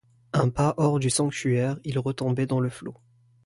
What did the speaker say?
Un pas hors du sanctuaire, il retombait dans le flot.